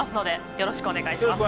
よろしくお願いします。